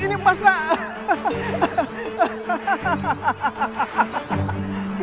minyak kiwin yang menjadi kuil